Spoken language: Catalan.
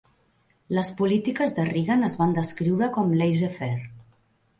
Les polítiques de Reagan es van descriure com "laissez-faire".